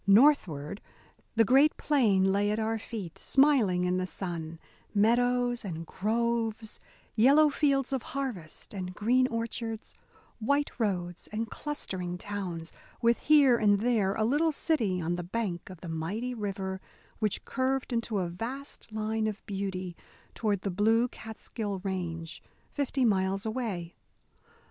Northward, the great plain lay at our feet, smiling in the sun; meadows and groves, yellow fields of harvest and green orchards, white roads and clustering towns, with here and there a little city on the bank of the mighty river which curved in a vast line of beauty toward the blue Catskill Range, fifty miles away.